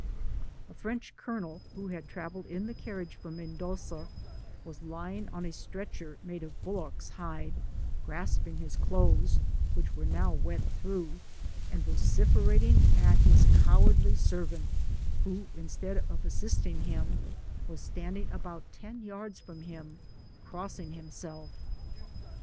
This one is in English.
A French Colonel, who had travelled in the carriage from Mendoza, was lying on a stretcher made of a bul lock's hide, grasping his clothes, which were now wet through, and vociferating at his cowardly ser vant, who, instead of assisting him, was standing about ten yards from him crossing himself.